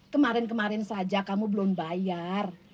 kemarin kemarin saja kamu belum bayar